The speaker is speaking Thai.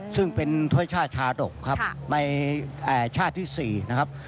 ซึ่งเป็นถ้วยชาติชาดกครับในชาติที่๔นะครับ